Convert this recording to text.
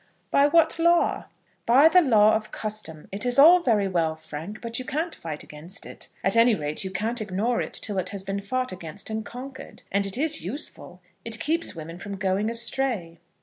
"By what law?" "By the law of custom. It is all very well, Frank, but you can't fight against it. At any rate, you can't ignore it till it has been fought against and conquered. And it is useful. It keeps women from going astray."